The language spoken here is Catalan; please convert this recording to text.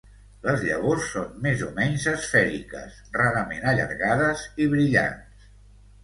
Les llavors són més o menys esfèriques, rarament allargades i brillants.